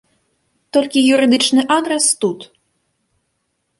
Толькі юрыдычны адрас тут.